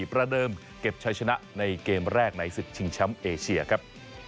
ประเดิมเก็บชัยชนะในเกมแรกในศึกชิงแชมป์เอเชียครับ